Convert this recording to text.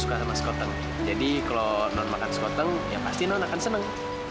suka sama skoteng jadi kalau non makan skoteng ya pasti non akan senang